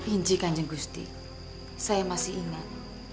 inci kan jeng gusti saya masih ingat